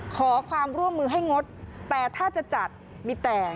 ขอความร่วมมือให้งดแต่ถ้าจะจัดมีแต่